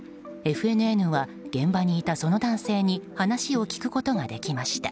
ＦＮＮは、現場にいたその男性に話を聞くことができました。